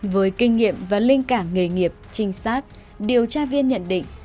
với kinh nghiệm và linh cảm nghề nghiệp trinh sát điều tra viên nhận định